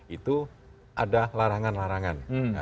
itu ada larangan larangan